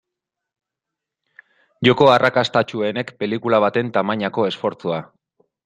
Joko arrakastatsuenek pelikula baten tamainako esfortzua.